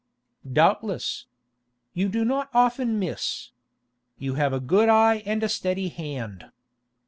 "Doubtless. You do not often miss. You have a good eye and a steady hand.